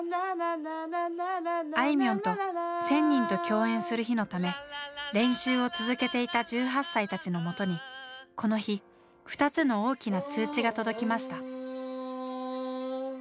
あいみょんと１，０００人と共演する日のため練習を続けていた１８歳たちのもとにこの日２つの大きな通知が届きました。